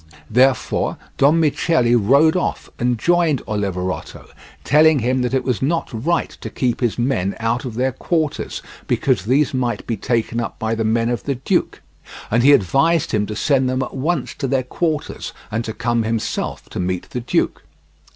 Therefore Don Michele rode off and joined Oliverotto, telling him that it was not right to keep his men out of their quarters, because these might be taken up by the men of the duke; and he advised him to send them at once to their quarters and to come himself to meet the duke.